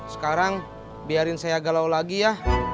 sekarang biarin saya galau lagi ya